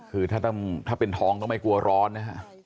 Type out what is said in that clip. คือถ้าเป็นทองต้องไม่กลัวร้อนนะครับ